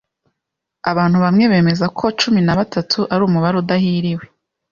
Abantu bamwe bemeza ko cumi na batatu ari umubare udahiriwe.